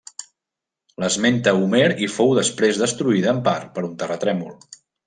L'esmenta Homer i fou després destruïda en part per un terratrèmol.